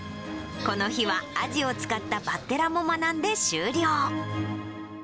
この日はアジを使ったバッテラも学んで終了。